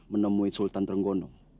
menemui sultan trenggono